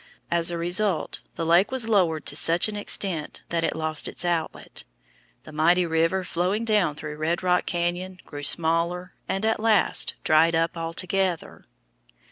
As a result the lake was lowered to such an extent that it lost its outlet. The mighty river flowing down through Red Rock Cañon grew smaller and at last dried up altogether.